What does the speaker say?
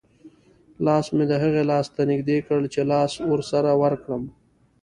لاس مې د هغې لاس ته نږدې کړ چې لاس ورسره ورکړم.